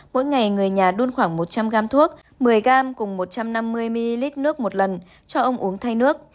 mỗi ngày người nhà đun khoảng một trăm linh gram thuốc một mươi gram cùng một trăm năm mươi ml nước một lần cho ông uống thay nước